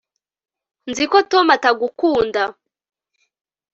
nzi ko tom atagukunda